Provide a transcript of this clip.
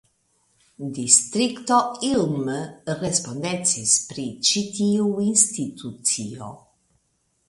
Distrikto Ilm respondecis pri ĉi tiu institucio.